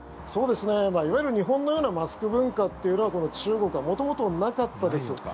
いわゆる日本のようなマスク文化というのは中国は元々なかったです。